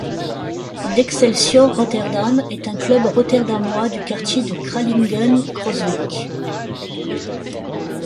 L'Excelsior Rotterdam est un club rotterdamois du quartier de Kralingen-Crooswijk.